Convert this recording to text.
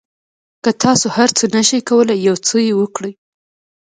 که تاسو هر څه نه شئ کولای یو څه یې وکړئ.